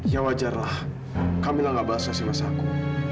ya wajarlah kamilah gak bales sms aku